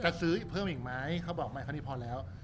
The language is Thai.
จะซื้ออีกเพิ่มอีกมั้ยเค้าบอกไม่คราวนี้พอแล้ว